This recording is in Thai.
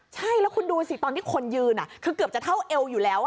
ใช่แล้วคุณดูสิตอนที่คนยืนคือเกือบจะเท่าเอวอยู่แล้ว